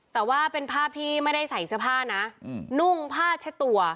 แต่ว่าเป็นภาพที่ไม่ได้ใส่เสื้อผ้านะนุ่งผ้าเช็ดตัว